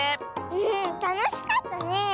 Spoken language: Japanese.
うんたのしかったね！